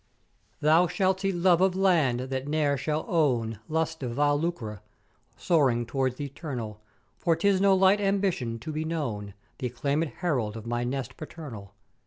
Thou shalt see Love of Land that ne'er shall own lust of vile lucre; soaring towards th' Eternal: For 'tis no light ambition to be known th' acclaimed herald of my nest paternal.